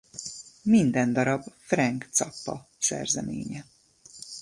Minden darab Frank Zappa szerzeménye.